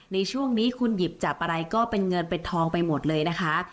ในช่วงนี้คุณหยิบจับอะไรก็เป็นเงินเป็นทองไปหมดเลยนะคะ